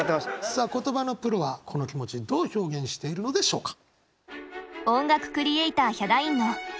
さあ言葉のプロはこの気持ちどう表現しているのでしょうか？